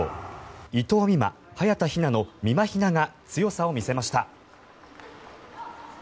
伊藤美誠・早田ひなのみまひなが強さを見せました。